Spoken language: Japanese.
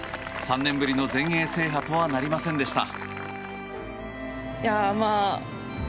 ３年ぶりの全英制覇とはなりませんでした。